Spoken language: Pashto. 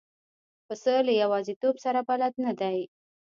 پسه له یوازیتوب سره بلد نه دی.